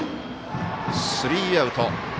スリーアウト。